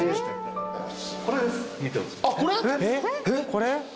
これ？